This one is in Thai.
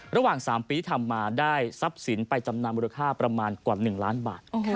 ระหว่าง๓ปีที่ทำมาได้ทรัพย์สินไปจำนำมูลค่าประมาณกว่า๑ล้านบาท